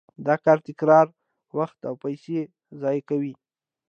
د کار تکرار وخت او پیسې ضایع کوي.